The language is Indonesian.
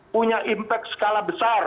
punya impact skala besar